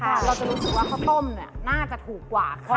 เราจะรู้สึกว่าข้าวต้มเนี่ยน่าจะถูกกว่า